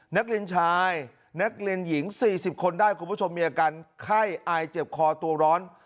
นักเรียนชายนักเรียนหญิง๔๐คนได้คุณผู้ชมมีอาการไข้อายเจ็บคอตัวร้อน